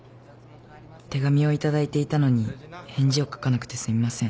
手紙を頂いていたのに返事を書かなくてすみません。